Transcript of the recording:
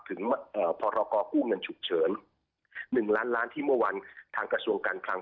พรกู้เงินฉุกเฉิน๑ล้านล้านที่เมื่อวานทางกระทรวงการคลัง